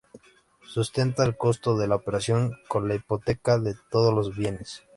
Sustenta el costo de la operación con la hipoteca de todos sus bienes.